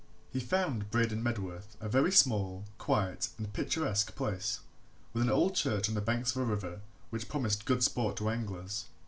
He found Braden Medworth a very small, quiet, and picturesque place, with an old church on the banks of a river which promised good sport to anglers.